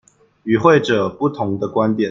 與會者不同的觀點